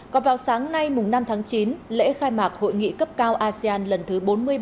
còn vào sáng nay năm tháng chín lễ khai mạc hội nghị cấp cao asean lần thứ bốn mươi ba